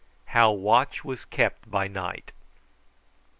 HOW WATCH WAS KEPT BY NIGHT.